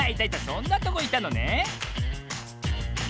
そんなとこいたのね。